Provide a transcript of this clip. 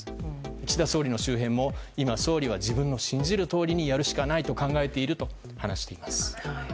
岸田総理は今自分の信じるとおりにやるしかないと考えていると話しています。